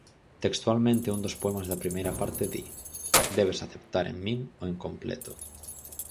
Textualmente un dos poemas da primeira parte di: "debes aceptar en min o incompleto".